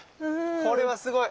これはすごい！